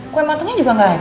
kue matangnya juga nggak ada